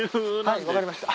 はい分かりました。